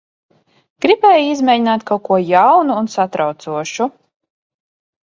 Gribēju izmēģināt kaut ko jaunu un satraucošu.